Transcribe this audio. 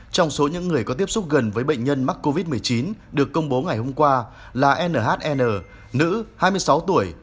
trong số những người có tiếp xúc gần với bệnh nhân mắc covid một mươi chín được công bố ngày hôm qua là nhn nữ hai mươi sáu tuổi